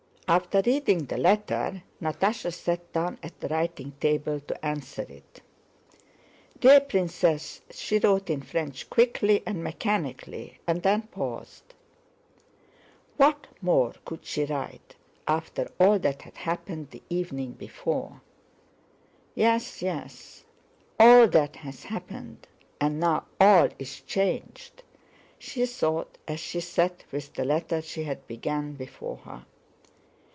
After reading the letter Natásha sat down at the writing table to answer it. "Dear Princess," she wrote in French quickly and mechanically, and then paused. What more could she write after all that had happened the evening before? "Yes, yes! All that has happened, and now all is changed," she thought as she sat with the letter she had begun before her.